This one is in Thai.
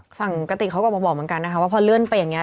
กระติกเขาก็ออกมาบอกเหมือนกันนะคะว่าพอเลื่อนไปอย่างนี้